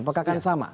apakah kan sama